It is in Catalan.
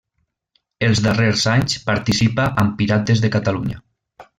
Els darrers anys participa amb Pirates de Catalunya.